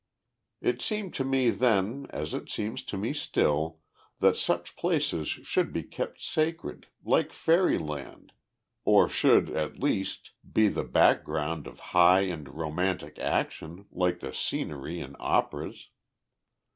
It seemed to me then, as it seems to me still, that such places should be kept sacred, like fairyland, or should, at least, be the background of high and romantic action, like the scenery in operas.